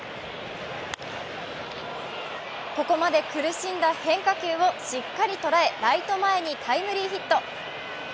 ここまで苦しんだ変化球をしっかり捉えライト前にタイムリーヒット。